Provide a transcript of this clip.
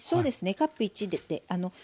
カップ１で。